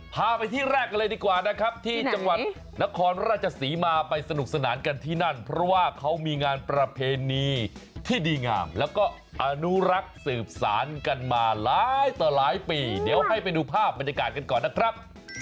พาไปที่แรกกันเลยดีกว่านะครับที่จังหวัดนครราชศรีมาไปสนุกสนานกันที่นั่นเพราะว่าเขามีงานประเพณีที่ดีงามแล้วก็อนุรักษ์สืบสารกันมาหลายต่อหลายปีเดี๋ยวให้ไปดูภาพบรรยากาศกันก่อนนะครับ